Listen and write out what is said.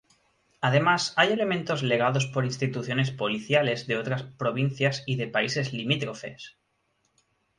Además, hay elementos legados por instituciones policiales de otras provincias y de países limítrofes.